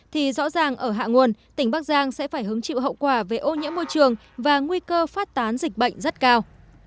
thì rõ ràng ở hạ nguồn tỉnh bắc giang sẽ phải hứng chịu hậu quả về ô nhiễm môi trường và nguy cơ phát tán dịch bệnh rất cao